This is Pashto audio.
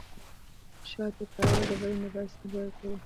د شاتو کارول د بدن دفاعي سیستم پیاوړی کوي.